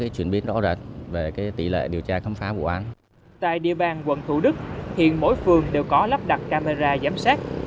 tại địa bàn quận thủ đức hiện mỗi phường đều có lắp đặt camera giám sát